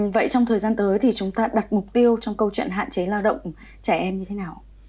vậy trong thời gian tới thì chúng ta đặt mục tiêu trong câu chuyện hạn chế lao động trẻ em như thế nào